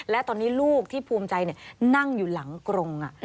และตอนนี้ลูกที่ภูมิใจนั่งอยู่หลังกรง